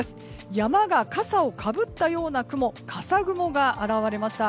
山が笠をかぶったような雲笠雲が現れました。